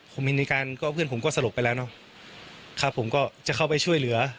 ผมเห็นในการก็เพื่อนผมก็สลบไปแล้วเนอะครับผมก็จะเข้าไปช่วยเหลือ